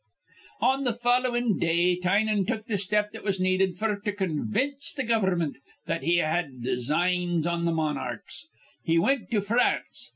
On th' followin' day Tynan took th' step that was needed f'r to con vince th' gover'mint that he had designs on the monarchs. He wint to France.